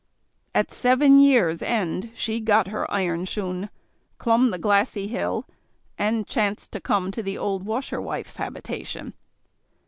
At seven years' end she got her iron shoon, clomb the glassy hill, and chanced to come to the old washerwife's habitation.